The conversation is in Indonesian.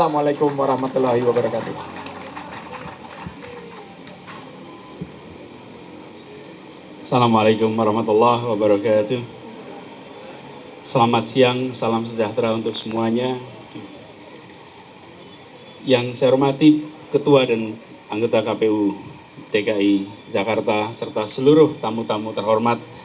wassalamualaikum wr wb